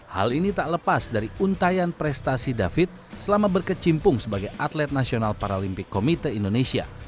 hal ini tak lepas dari untayan prestasi david selama berkecimpung sebagai atlet nasional paralimpik komite indonesia